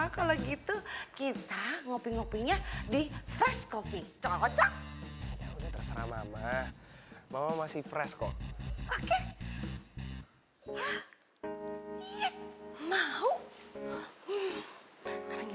kalau gitu kita ngopi ngopinya di fresh coffee cocok terserah mama mama masih fresh kok oke